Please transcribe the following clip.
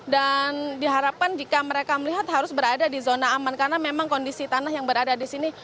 dan diharapkan jika mereka melihat harus berada di zona aman karena memang kondisi tanah yang berada di sini